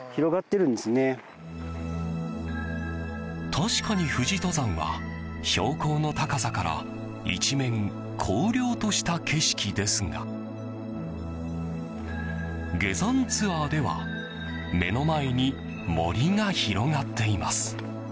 確かに富士登山は標高の高さから一面、荒涼とした景色ですが下山ツアーでは目の前に森が広がっています。